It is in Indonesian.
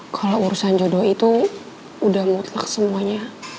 kalau urusan jodoh itu udah mutlak semuanya